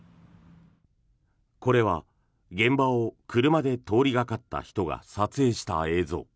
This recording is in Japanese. これは、現場を車で通りがかった人が撮影した映像。